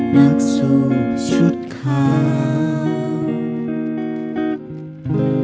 นักสู้ชุดขาว